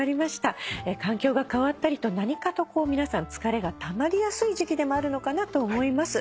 環境が変わったりと何かと皆さん疲れがたまりやすい時期でもあるのかなと思います。